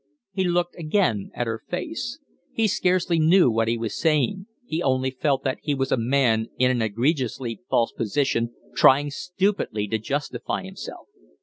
He looked again at her face. He scarcely knew what he was saying; he only felt that he was a man in an egregiously false position, trying stupidly to justify himself.